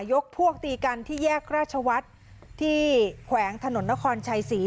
ยกพวกตีกันที่แยกราชวัฒน์ที่แขวงถนนนครชัยศรี